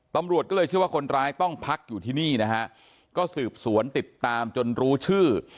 ตำรวจก็เลยเชื่อว่าคนร้ายต้องพักอยู่ที่นี่นะฮะก็สืบสวนติดตามจนรู้ชื่อ